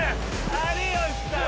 有吉さん！